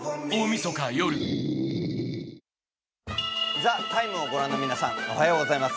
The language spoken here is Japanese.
「ＴＨＥＴＩＭＥ，」をご覧の皆さんおはようございます。